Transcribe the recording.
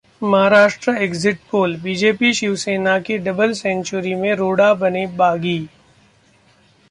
Maharashtra Exit Poll: बीजेपी-शिवसेना की double century में रोड़ा बने बागी!